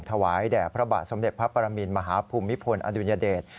ถวายแด่พระบาทสมเด็จพระปรมินมหาภูมิพลอดุญเดช